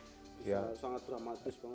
sangat dramatis banget